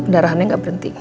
darahannya gak berhenti